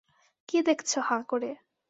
কী দেখছো হাঁ করে?